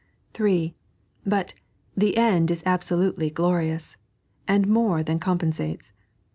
(3) But the ond u abaolutdy glorious, and more than com pensates.